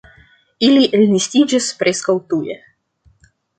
Ili elnestiĝas preskaŭ tuje.